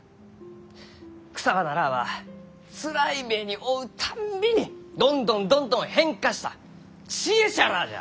草花らあはつらい目に遭うたんびにどんどんどんどん変化した知恵者らあじゃ。